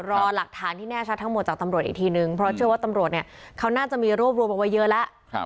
รอหลักฐานที่แน่ชัดทั้งหมดจากตำรวจอีกทีนึงเพราะเชื่อว่าตำรวจเนี่ยเขาน่าจะมีรวบรวมเอาไว้เยอะแล้ว